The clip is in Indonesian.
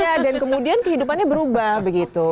iya dan kemudian kehidupannya berubah begitu